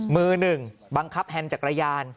มือหนึ่งบังคับแฮนด์จักรยาน